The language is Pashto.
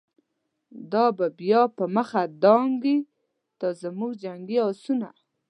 دا به بیا په مخه دانګی، دازموږ جنګی آسونه